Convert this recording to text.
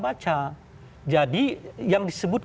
baca jadi yang disebut